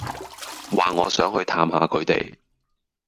話我想去探吓佢哋